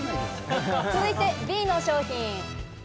続いてＢの商品。